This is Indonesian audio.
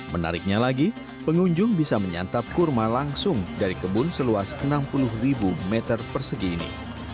menariknya lagi pengunjung bisa menyantap kurma langsung dari kebun seluas enam puluh ribu meter persegi ini